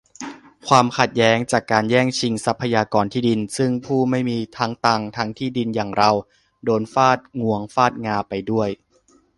ความขัดแย้งจากการแย่งชิงทรัพยากร-ที่ดิน ซึ่งผู้ไม่มีทั้งตังค์ทั้งที่ดินอย่างเรา โดนฟาดงวงฟาดงาไปด้วย